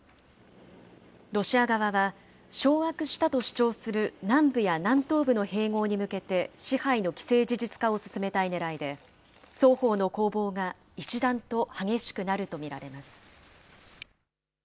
ロシア側は、掌握したと主張する南部や南東部の併合に向けて支配の既成事実化を進めたいねらいで、双方の攻防が一段と激しくなると見られます。